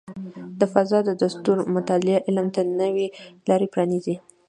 د فضاء د ستورو مطالعه علم ته نوې لارې پرانیزي.